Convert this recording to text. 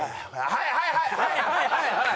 はいはいはいはい！